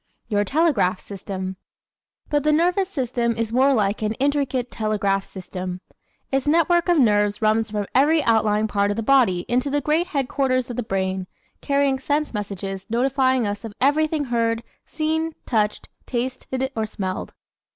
Your Telegraph System ¶ But the nervous system is more like an intricate telegraph system. Its network of nerves runs from every outlying point of the body into the great headquarters of the brain, carrying sense messages notifying us of everything heard, seen, touched, tasted or smelled.